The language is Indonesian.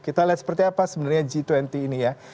kita lihat seperti apa sebenarnya g dua puluh ini ya